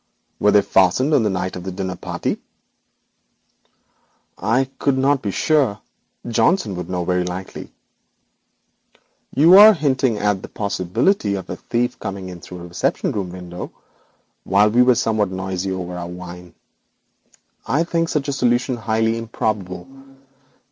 'Were they fastened on the night of the dinner party?' 'I could not be sure; very likely Johnson would know. You are hinting at the possibility of a thief coming in through a reception room window while we were somewhat noisy over our wine. I think such a solution highly improbable.